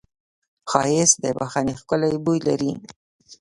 ښایست د بښنې ښکلی بوی لري